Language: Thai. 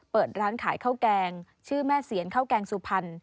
เปิดร้านขายข้าวแกงชื่อแม่เสียนข้าวแกงสุพรรณ